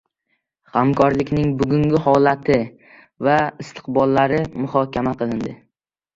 Hamkorlikning bugungi holati va istiqbollari muhokama qilindi